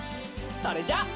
それじゃあ。